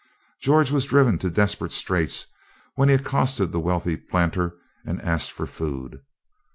George was driven to desperate straits when he accosted the wealthy planter and asked for food.